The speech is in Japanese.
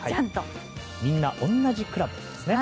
みんな同じクラブですね。